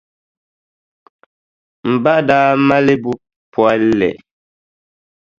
M ba daa mali buʼ polli.